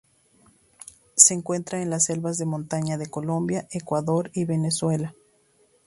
Se encuentra en las selvas de montaña de Colombia, Ecuador y Venezuela.